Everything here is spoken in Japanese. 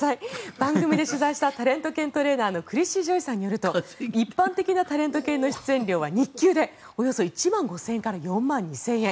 番組で取材したタレント犬トレーナークリッシー・ジョイさんによると一般的なタレント犬の出演料は日給でおよそ１万５０００円から４万２０００円。